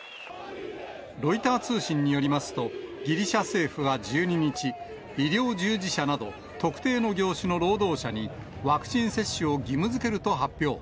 ロイター通信によりますと、ギリシャ政府は１２日、医療従事者など特定の業種の労働者にワクチン接種を義務づけると発表。